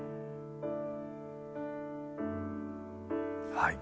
はい。